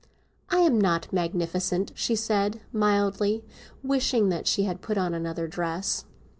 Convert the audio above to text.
"I am not magnificent," she said mildly, wishing that she had put on another dress.